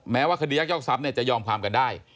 แม้ว่าคดียักยอกทรัพย์จะยอมความกันได้